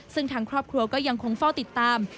ซึ่งทางครอบครัวก็ยังคงเฝ้าติดตาม